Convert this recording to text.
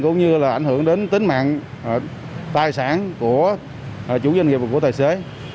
cũng như là ảnh hưởng đến tính mạng tài sản của chủ doanh nghiệp và của tài xế